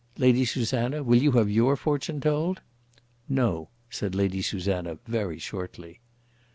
Lady Susanna, will you have your fortune told?" "No," said Lady Susanna, very shortly.